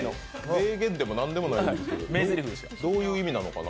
名言でも何でもないどういう意味なのかな？